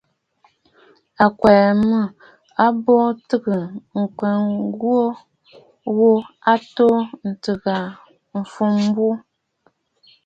À kwɛ̀ʼɛ mɔʼɔ àbu tɨgə̀ ŋ̀kɔʼɔ ŋwò ghu atu ntɨgə mfuʼu buu.